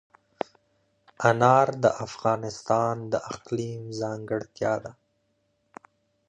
انار د افغانستان د اقلیم ځانګړتیا ده.